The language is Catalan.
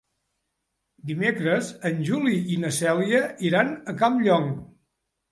Dimecres en Juli i na Cèlia iran a Campllong.